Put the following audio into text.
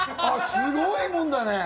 すごいもんだね。